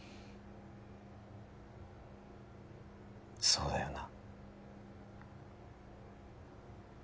そうだよな